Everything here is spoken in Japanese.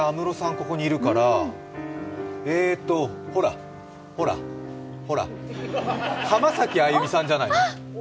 ここにいるからえーっと、ほら、ほら、浜崎あゆみさんじゃないの。